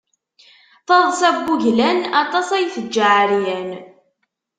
Taḍsa n wuglan, aṭas ay teǧǧa ɛeryan.